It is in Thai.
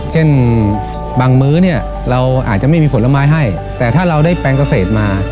เช่นบางมื้อเนี่ยเราอาจจะไม่มีผลไม้ให้แต่ถ้าเราได้แปลงเกษตรมา